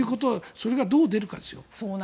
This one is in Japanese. それがどう出るかですよ。